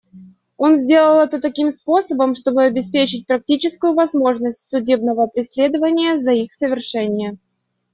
Он сделал это таким способом, чтобы обеспечить практическую возможность судебного преследования за их совершение.